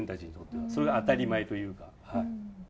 それが当たり前というか。